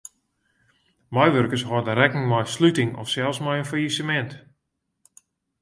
Meiwurkers hâlde rekken mei sluting of sels mei in fallisemint.